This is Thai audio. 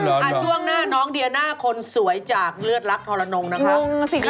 ช่วงหน้าน้องเดียน่าคนสวยจากเลือดลักษณ์ทรนดงนะคะอะไรต่อสิคะ